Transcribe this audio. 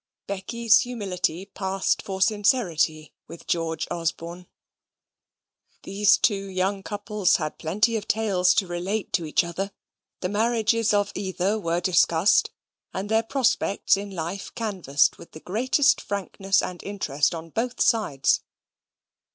Becky's humility passed for sincerity with George Osborne. These two young couples had plenty of tales to relate to each other. The marriages of either were discussed; and their prospects in life canvassed with the greatest frankness and interest on both sides.